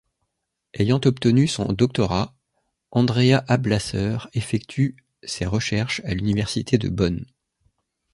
Ayant obtenu son doctorat, Andrea Ablasser effectue ses recherches à l'université de Bonn.